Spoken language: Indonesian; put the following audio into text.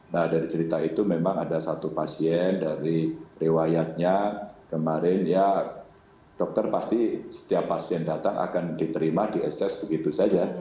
nah dari cerita itu memang ada satu pasien dari riwayatnya kemarin ya dokter pasti setiap pasien datang akan diterima di ases begitu saja